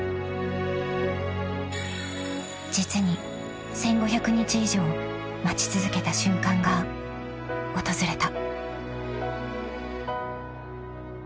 ［実に１，５００日以上待ち続けた瞬間が訪れた］